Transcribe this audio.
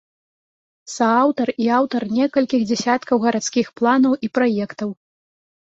Сааўтар і аўтар некалькіх дзесяткаў гарадскіх планаў і праектаў.